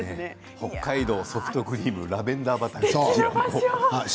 北海道、ソフトクリーム、ラベンダー畑。